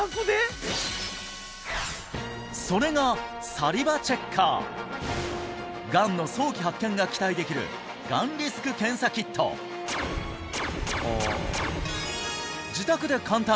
それがＳａｌｉｖａＣｈｅｃｋｅｒがんの早期発見が期待できるがんリスク検査キット自宅で簡単！